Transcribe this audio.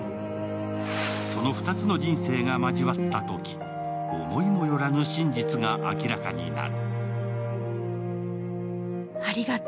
その２つの人生が交わったとき思いもよらぬ真実が明らかになる。